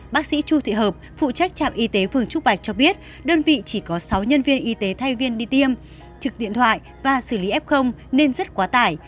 bác sĩ chu thị hợp phụ trách trạm y tế phường trúc bạch cho biết đơn vị chỉ có sáu nhân viên y tế thay viên đi tiêm trực điện thoại và xử lý f nên rất quá tải